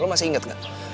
lu masih inget gak